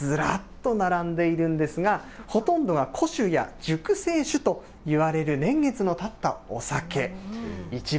こちら、日本酒、ずらっと並んでいるんですが、ほとんどが古酒や熟成酒といわれる年月のたったお酒。